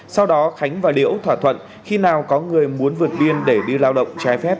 sau đó khánh và liễu thỏa thuận khi nào có người muốn vượt biên để đi lao động trái phép